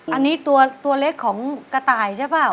อันนี้ตัวเล็กของกระต่ายใช่เปล่า